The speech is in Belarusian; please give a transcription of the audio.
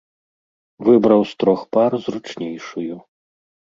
Выбраў з трох пар зручнейшую.